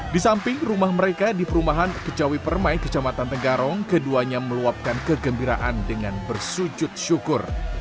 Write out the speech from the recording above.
di samping rumah mereka di perumahan kecawi permai kecamatan tegarong keduanya meluapkan kegembiraan dengan bersujud syukur